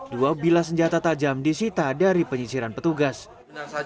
dua bila senjata tajam disita dari penyisiran petugas saat